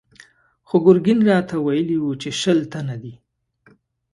خو ګرګين راته ويلي و چې شل تنه دي.